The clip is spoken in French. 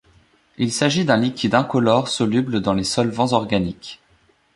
Il s'agit d'un liquide incolore soluble dans les solvants organiques.